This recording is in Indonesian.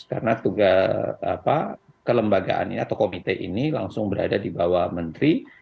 karena juga kelembagaan atau komite ini langsung berada di bawah menteri